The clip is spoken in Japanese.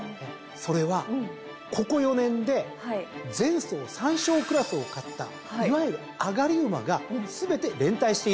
それはここ４年で前走３勝クラスを勝ったいわゆる上がり馬が全て連対しているんです。